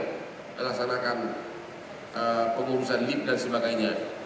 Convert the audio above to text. melaksanakan pengurusan lift dan sebagainya